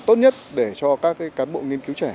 tốt nhất để cho các cán bộ nghiên cứu trẻ